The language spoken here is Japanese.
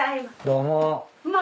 どうも。